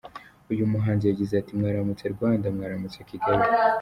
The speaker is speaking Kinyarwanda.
Uyu muhanzi yagize ati “Mwaramutse Rwanda, mwaramutse Kigali.